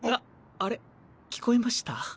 あれ聞こえました？